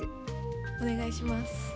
おねがいします。